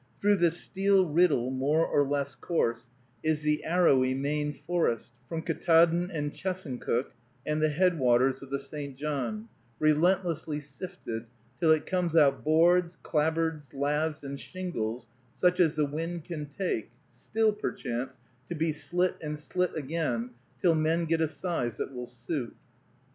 Through this steel riddle, more or less coarse, is the arrowy Maine forest, from Ktaadn and Chesuncook, and the head waters of the St. John, relentlessly sifted, till it comes out boards, clapboards, laths, and shingles such as the wind can take, still, perchance, to be slit and slit again, till men get a size that will suit.